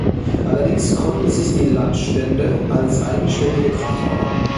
Allerdings konnten sich die Landstände als eigenständige Kraft behaupten.